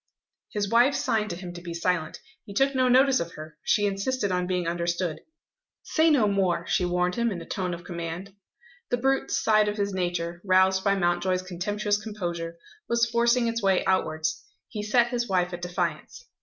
His wife signed to him to be silent. He took no notice of her. She insisted on being understood. "Say no more!" she warned him, in a tone of command. The brute side of his nature, roused by Mountjoy's contemptuous composure, was forcing its way outwards; he set his wife at defiance.